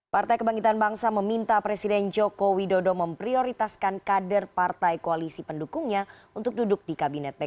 partai kebangkitan bangsa meminta presiden jokowi dodo memprioritaskan kader partai koalisi pendukungnya untuk duduk di kabinet pkb